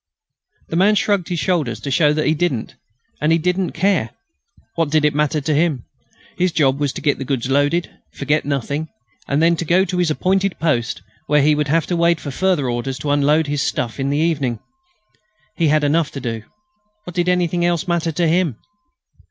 The man shrugged his shoulders to show that he didn't, and that he didn't care. What did it matter to him? His job was to get the goods loaded, forget nothing, and then to go to his appointed post where he would have to wait for further orders to unload his stuff in the evening. He had enough to do. What did anything else matter to him?